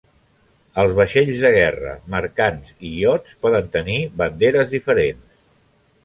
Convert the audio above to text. Els vaixells de guerra, mercants i iots poden tenir banderes diferents.